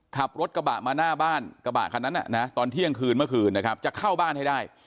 ขับรถกระบะมาหน้าบ้านกระบะคันนั้นตอนเที่ยงคืนเมื่อคืนนะครับจะเข้าบ้านให้ได้